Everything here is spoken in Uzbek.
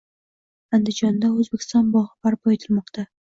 Andijonda “O‘zbekiston bog‘i” barpo etilmoqdang